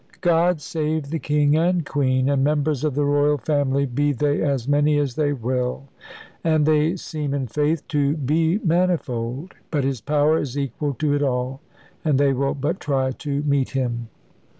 God save the King, and Queen, and members of the Royal Family, be they as many as they will and they seem, in faith, to be manifold. But His power is equal to it all, if they will but try to meet Him.